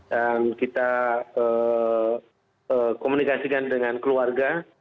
dan kita komunikasikan dengan keluarga